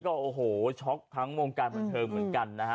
โอ้โหช็อกทั้งวงการบันเทิงเหมือนกันนะฮะ